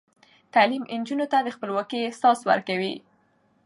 تعلیم نجونو ته د خپلواکۍ احساس ورکوي.